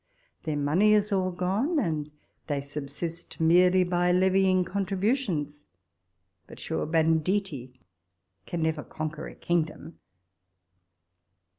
Their money is all gone, and they subsist merely by levying con tributions. But, sure, banditti can never con quer a kingdom